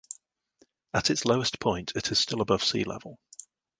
At its lowest point it is still above sea level.